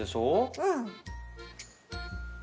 うん。